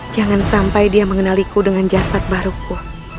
jangan sampai dia mengenaliku dengan jasad baruku